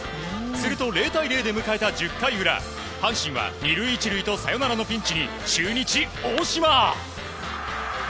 すると０対０で迎えた１０回裏阪神は２塁１塁とサヨナラのピンチに中日、大島。